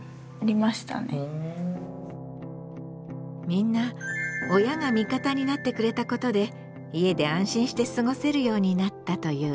みんな親が味方になってくれたことで家で安心して過ごせるようになったという。